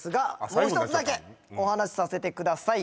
次もう一つだけお話させてください